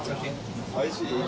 おいしい。